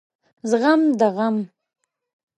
زغم د غم